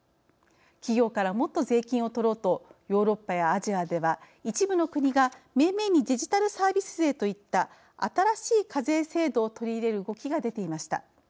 企業からもっと税金を取ろうとヨーロッパやアジアでは一部の国がめいめいにデジタルサービス税といった新しい課税制度を取り入れる動きが出ていました。